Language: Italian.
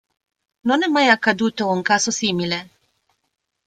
Non è mai accaduto un caso simile!